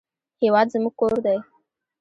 هېواد زموږ کور دی